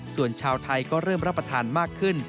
ส่วนชาวไทยก็เริ่มรับประทานมากขึ้น